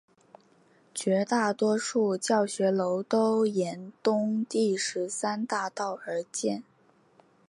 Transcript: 绝大多数教学楼都沿东第十三大道而建。